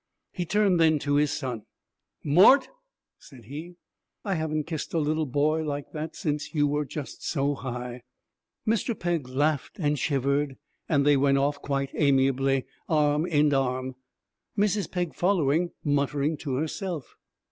He turned then to his son. 'Mort,' said he, 'I haven't kissed a little boy like that since you were just so high.' Mr. Pegg laughed and shivered, and they went off quite amiably, arm in arm, Mrs. Pegg following, muttering to herself.